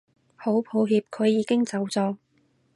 好抱歉佢已經走咗